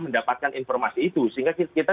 mendapatkan informasi itu sehingga kita